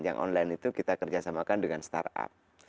yang online itu kita kerjasamakan dengan startup